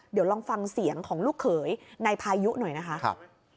เดี๋ยวลองฟังเสียงของลูกเขยนายพายุหน่อยนะคะ